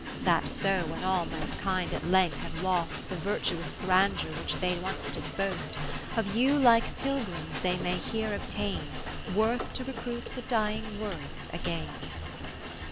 That so when all mankind at length have lost The Virtuous Grandeur which they once did boast. Of you like pilgrims they may here obtain Worth to recruit the dying world again.